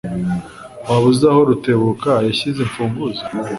Waba uzi aho Rutebuka yashyize imfunguzo?